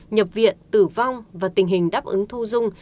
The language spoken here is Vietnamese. nhập viện tử vong và tình hình đáp ứng thu dung